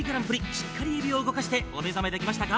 しっかりゆびをうごかしておめざめできましたか？